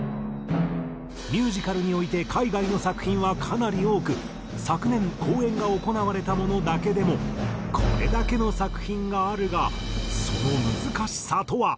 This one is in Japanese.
ミュージカルにおいて海外の作品はかなり多く昨年公演が行われたものだけでもこれだけの作品があるがその難しさとは？